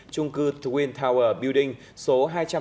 trung cư twin tower building số hai trăm sáu mươi sáu